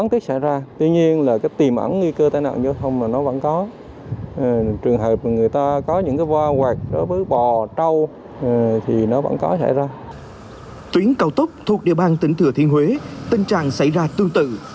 tuyến cao tốc thuộc địa bàn tỉnh thừa thiên huế tình trạng xảy ra tương tự